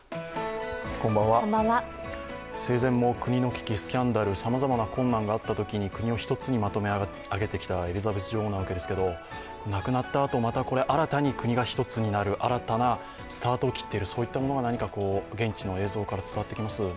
生前も国の危機、スキャンダル、さまざまな困難があったときに国を一つにまとめ上げてきたエリザベス女王なわけですけれども、亡くなったあとまたこれ新たに国が１つになる、新たなスタートを切っている、そういったものが現地の映像から伝わってきます。